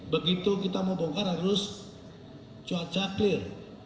begitu kita mau bongkar harus cuaca clear